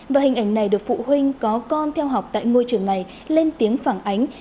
và hình ảnh này được phụ huynh có con theo học tại ngôi trường này lên tiếng phản ánh